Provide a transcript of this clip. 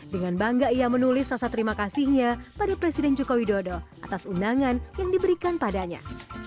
dengan bangga ia menulis sasa terima kasihnya pada presiden joko widodo atas undangan yang diberikan padanya